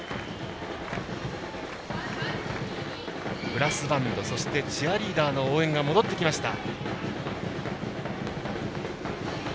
ブラスバンドそしてチアリーダーの応援が戻ってきました。